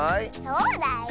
そうだよ。